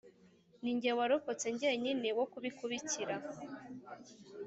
Ni jye warokotse jyenyine wo kubikubikira.”